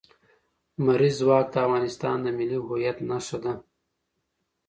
لمریز ځواک د افغانستان د ملي هویت نښه ده.